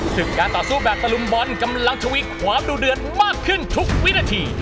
สถานการณ์ต่อสู้แบบตลุมบอลกำลังชวีความโดรเดือนมากขึ้นทุกวินาที